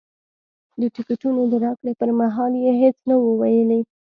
د ټکټونو د راکړې پر مهال یې هېڅ نه وو ویلي.